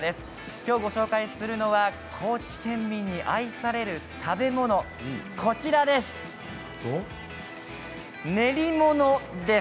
今日、ご紹介するのは高知県民に愛される食べ物こちらです。